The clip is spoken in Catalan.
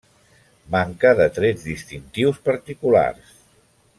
Manca de trets distintius particulars.